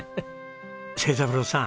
成三郎さん